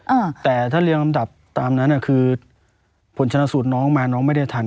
อ่าแต่ถ้าเรียงลำดับตามนั้นอ่ะคือผลชนะสูตรน้องมาน้องไม่ได้ทัน